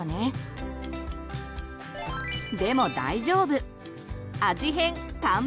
でも大丈夫！